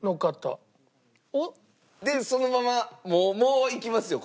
でそのままもういきますよ